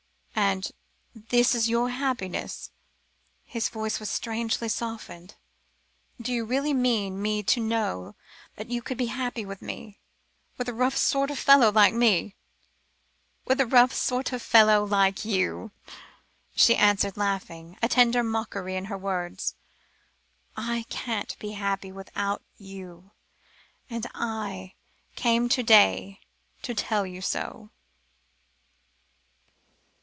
"And this is your happiness?" His voice was strangely softened. "Do you really mean me to know that you could be happy with me, with a rough sort of fellow like me?" "With a rough sort of fellow like you," she answered, laughing, a tender mockery in her words. "I can't be happy without you, and I came to day, to tell you so!"